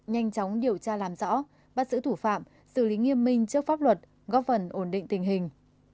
nhanh chóng điều tra làm rõ bắt giữ thủ phạm xử lý nghiêm minh trước pháp luật góp phần ổn định tình hình